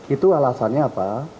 itu alasannya apa